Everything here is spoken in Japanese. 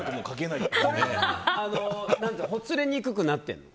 ほつれにくくなってるの？